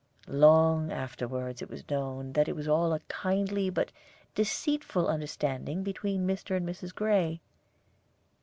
Long afterward it was known that it was all a kindly but deceitful understanding between Mr. and Mrs. Gray.